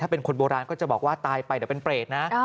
เป็นคนโบราณก็จะบอกว่าตายไปเดี๋ยวเป็นเปรตนะ